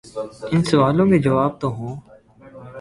ان سوالوں کے جواب تو ہوں۔